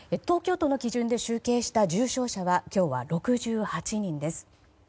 東京都の基準で集計した重症者は今日は６８人です。